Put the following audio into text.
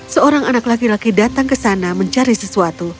seorang anak laki laki datang ke sana mencari sesuatu